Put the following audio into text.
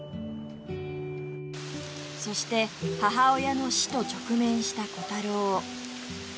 そして母親の死と直面したコタロー